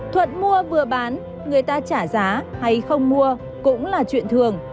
thuận mua vừa bán người ta trả giá hay không mua cũng là chuyện thường